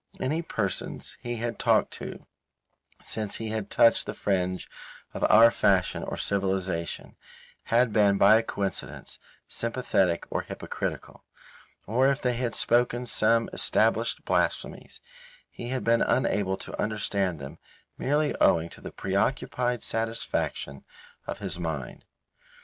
Any persons he had talked to since he had touched the fringe of our fashion or civilization had been by a coincidence, sympathetic or hypocritical. Or if they had spoken some established blasphemies, he had been unable to understand them merely owing to the preoccupied satisfaction of his mind.